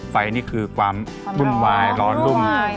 ไฟนี่คือความร้อนรุ่น